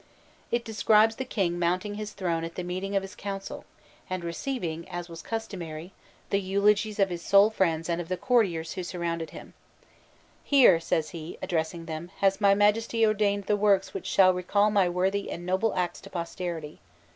It describes the king mounting his throne at the meeting of his council, and receiving, as was customary, the eulogies of his "sole friends" and of the courtiers who surrounded him: "Here," says he, addressing them, "has my Majesty ordained the works which shall recall my worthy and noble acts to posterity.